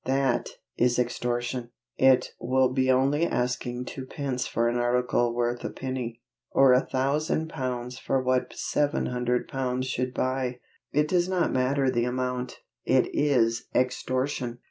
That is extortion. It may be only asking twopence for an article worth a penny, or a 1,000 pounds for what 700 pounds should buy; it does not matter the amount it is EXTORTION!